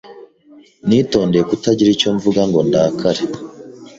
Nitondeye kutagira icyo mvuga ngo ndakare.